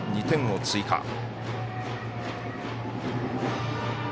２点を追加。